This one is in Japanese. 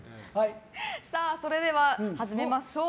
それでは始めましょう。